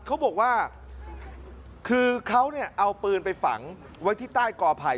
เขาบอกว่าคือเขาเนี่ยเอาปืนไปฝังไว้ที่ใต้กอไผ่